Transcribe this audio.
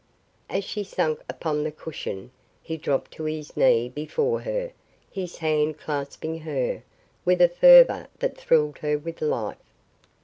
As she sank upon the cushion he dropped to his knee before her, his hand clasping hers with a fervor that thrilled her with life.